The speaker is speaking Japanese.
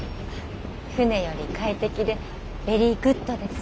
船より快適でベリーグッドです。